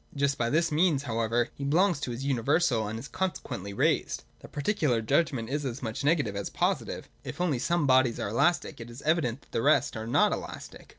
Just by this means however he belongs to his universal, and is consequently raised. — The particular judgment is as much negative as positive. If only some bodies are elastic, it is evident that the rest are not elastic.